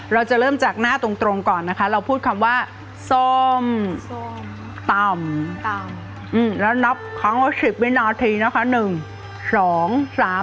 เราจะเริ่มจากหน้าตรงก่อนนะคะเราพูดคำว่าส้มต่ำต่ำแล้วนับครั้งละ๑๐วินาทีนะคะ